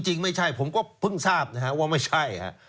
จริงไม่ใช่ผมก็เพิ่งทราบนะฮะว่าไม่ใช่ฮะ